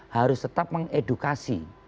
harus tetap mengedukasi